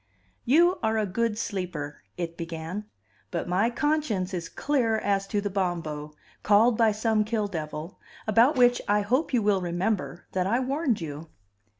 "You are a good sleeper," it began, "but my conscience is clear as to the Bombo, called by some Kill devil, about which I hope you will remember that I warned you."